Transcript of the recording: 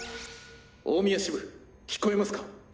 大宮支部聞こえますか？